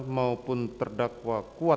maupun terdakwa kuat ma'ruf di persidangan